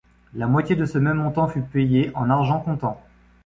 La moitié de ce même montant fut payé en argent comptant.